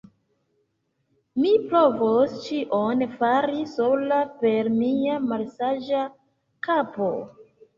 mi provos ĉion fari sola, per mia malsaĝa kapo!